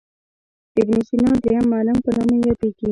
ابن سینا درېم معلم په نامه یادیږي.